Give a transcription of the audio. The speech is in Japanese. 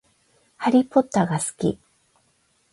ハリーポッターが好き